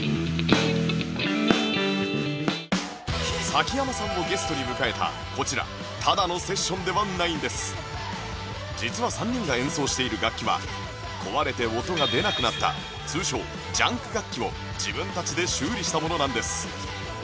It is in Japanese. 崎山さんをゲストに迎えたこちら実は３人が演奏している楽器は壊れて音が出なくなった通称「ジャンク楽器」を自分たちで修理したものなんです